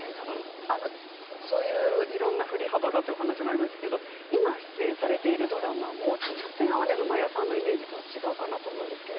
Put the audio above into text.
いろんな振り幅がというお話もありましたが今出演されているドラマちょっと今までの真矢さんのイメージとは違うかなと思います。